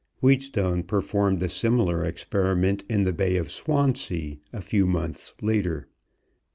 Wheatstone performed a similar experiment in the Bay of Swansea a few months later.